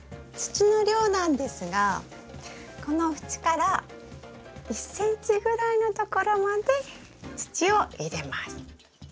土の量なんですがこの縁から１ｃｍぐらいのところまで土を入れます。